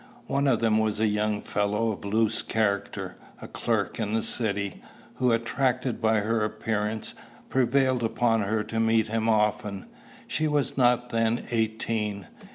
One of them was a young fellow of loose character, a clerk in the city, who, attracted by her appearance, prevailed upon her to meet him often. She was not then eighteen.